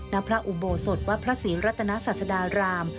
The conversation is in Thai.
ณพระอุโบสถวัดพระศรีรัตนศาสดาราม